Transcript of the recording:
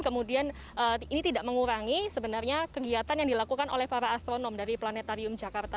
kemudian ini tidak mengurangi sebenarnya kegiatan yang dilakukan oleh para astronom dari planetarium jakarta